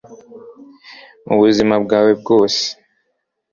mu buzima bwawe bwose